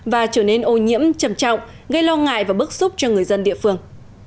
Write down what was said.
và trở nên ô nhiễm trầm trọng gây lo ngại và bức xúc cho người dân địa phương